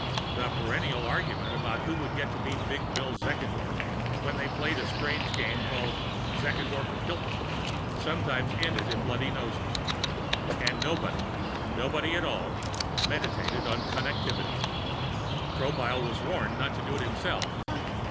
The perennial argument about who would get to be Big Bill Zeckendorf when they played a strange game called "Zeckendorf and Hilton" sometimes ended in bloody noses. And nobody nobody at all meditated on Connectivity. Tropile was warned not to do it himself.